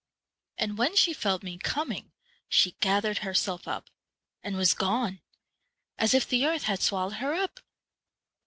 And when she felt me coming she gathered herself up, and was gone, as if the earth had swallowed her up.